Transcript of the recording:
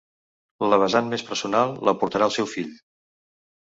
La vessant més personal l’aportarà el seu fill.